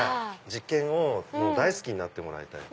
実験を大好きになってもらいたい。